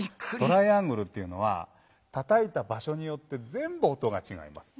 トライアングルっていうのはたたいたばしょによって全部音がちがいます。